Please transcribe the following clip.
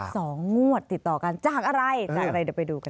สองงวดติดต่อกันจากอะไร